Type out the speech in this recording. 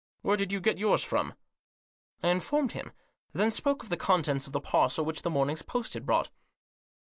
Where did you get yours from?" I informed him ; then spoke of the contents of the parcel which the morning's post had brought.